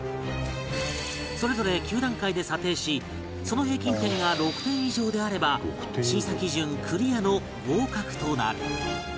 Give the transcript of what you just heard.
それぞれ９段階で査定しその平均点が６点以上であれば審査基準クリアの合格となる